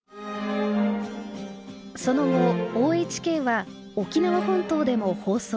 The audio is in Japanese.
その後ＯＨＫは沖縄本島でも放送を開始。